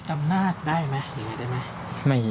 จำหน้าได้ไหมยังไงได้ไหม